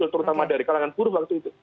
terutama dari kalangan buruh waktu itu